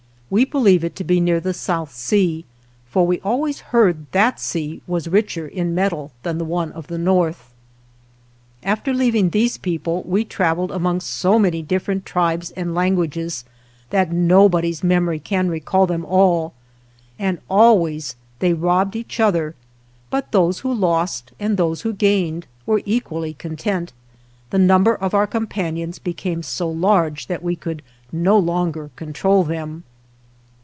We believe it to be near the South Sea, for we always heard that sea was richer (in metal) than the one of the north. After leaving these people we travelled among so many different tribes and lan guages that nobody's memory can recall them all, and always they robbed each other; but those who lost and those who gained were equally content. The number of our companions became so large that we could no longer control them.